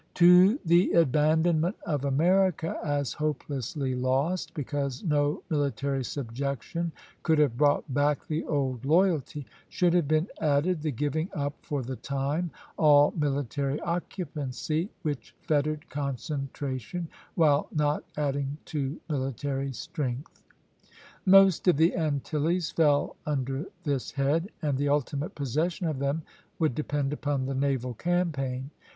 To the abandonment of America as hopelessly lost, because no military subjection could have brought back the old loyalty, should have been added the giving up, for the time, all military occupancy which fettered concentration, while not adding to military strength. Most of the Antilles fell under this head, and the ultimate possession of them would depend upon the naval campaign.